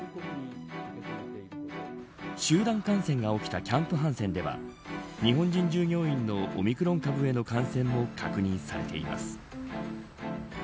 集団感染が起きたキャンプ・ハンセンでは日本人従業員のオミクロン株への感染も確認されています。